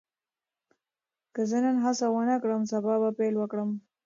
که زه نن هڅه ونه کړم، سبا به پیل وکړم.